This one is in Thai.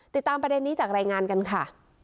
ติดตามประเด็นนี้จากรายงานกันค่ะ